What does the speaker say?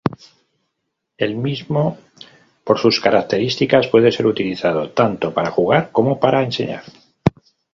El mismo, por sus características, puede ser utilizado tanto para jugar, como para enseñar.